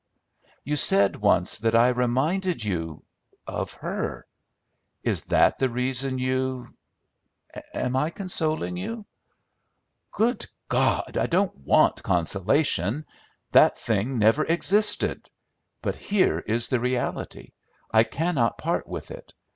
"You said once that I reminded you of her: is that the reason you Am I consoling you?" "Good God! I don't want consolation! That thing never existed; but here is the reality; I cannot part with it.